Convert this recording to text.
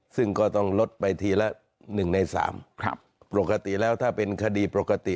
ซึ่งก็ต้องลดไปทีละ๑ใน๓ปกติแล้วถ้าเป็นคดีปกติ